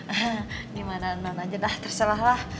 ini manaan manaan aja nah terserahlah